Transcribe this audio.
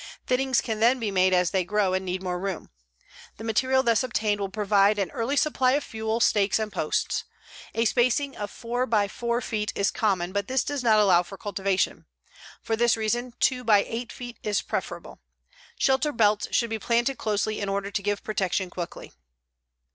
Thinnings can then be made as they grow and need more room. The material thus obtained will provide an early supply of fuel, stakes and posts. A spacing of 4x4 feet is common, but this does not allow for cultivation. For this reason 2x8 feet is preferable. Shelter belts should be planted closely in order to give protection quickly.